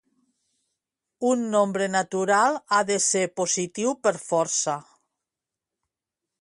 Un nombre natural ha de ser positiu per força.